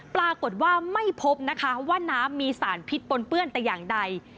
ปรากฏว่าไม่พบนะคะว่าน้ำมีสารพิษปนเปื้อนแต่อย่างใด